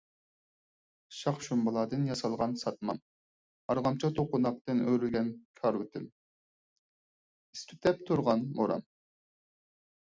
شاخ - شۇمبىلاردىن ياسالغان ساتمام، ئارغامچا - توقۇناقتىن ئۆرۈلگەن كارىۋىتىم، ئىس تۈتەپ تۇرغان مورام